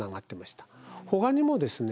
ほかにもですね